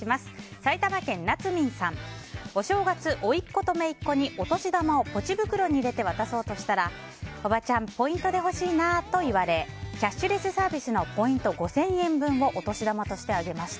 埼玉県の方、お正月おいっ子とめいっ子にお年玉をポチ袋に入れて渡そうとしたらおばちゃんポイントで欲しいなと言われキャッシュレスサービスのポイント５０００円分をお年玉として、あげました。